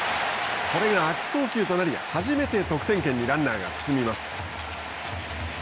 これが悪送球となり初めて得点圏にランナーが進みます。